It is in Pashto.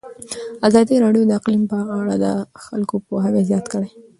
ازادي راډیو د اقلیم په اړه د خلکو پوهاوی زیات کړی.